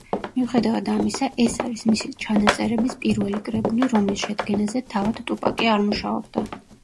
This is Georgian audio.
მიუხედავად ამისა, ეს არის მისი ჩანაწერების პირველი კრებული, რომლის შედგენაზე თავად ტუპაკი არ მუშაობდა.